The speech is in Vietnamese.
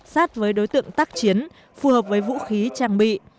sát với đối tượng tác chiến phù hợp với vũ khí trang bị